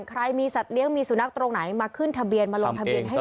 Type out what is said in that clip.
ใครมีสัตว์เลี้ยงมีสุนัขตรงไหนมาขึ้นทะเบียนมาลงทะเบียนให้